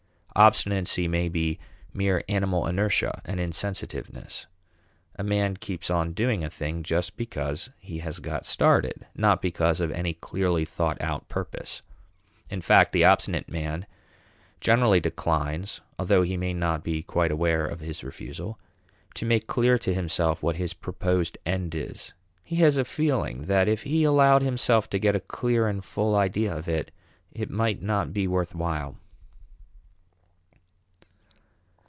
Obstinacy may be mere animal inertia and insensitiveness. A man keeps on doing a thing just because he has got started, not because of any clearly thought out purpose. In fact, the obstinate man generally declines (although he may not be quite aware of his refusal) to make clear to himself what his proposed end is; he has a feeling that if he allowed himself to get a clear and full idea of it, it might not be worth while.